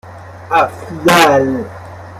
اَفضل